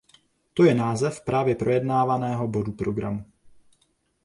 To je název právě projednávaného bodu programu.